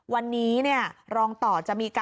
วันนี้เนี่ยรองต่อจะมีการ